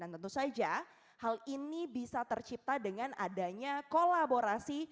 tentu saja hal ini bisa tercipta dengan adanya kolaborasi